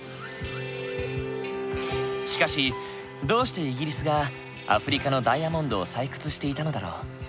しかしどうしてイギリスがアフリカのダイヤモンドを採掘していたのだろう？